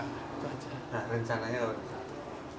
mencantikkan rencananya apa